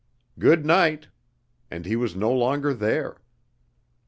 Good night! And he was no longer there.